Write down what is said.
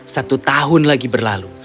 satu tahun lagi berlalu